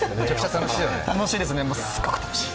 楽しいですね、すごく楽しい！